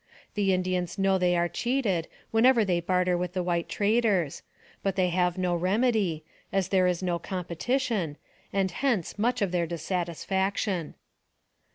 The Indians know they are cheated whenever they barter with the white traders, but they have no remedy, as there is no competition, and hence much of their disaffection.